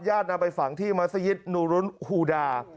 นำไปฝังที่มัศยิตนูรุ้นฮูดา